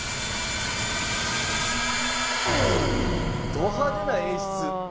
ド派手な演出！